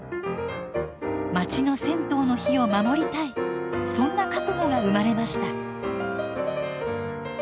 まちの銭湯の火を守りたいそんな覚悟が生まれました。